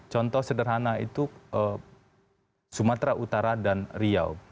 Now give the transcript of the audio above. contoh sederhana itu sumatera utara dan riau